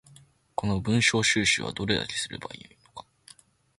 この文章収集はどれだけすれば良いのか